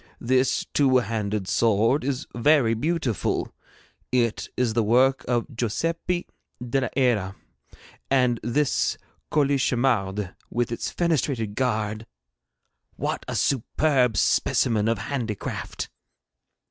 This two handed sword is very beautiful. It is the work of Josepe de la Hera; and this colichemarde with its fenestrated guard what a superb specimen of handicraft!'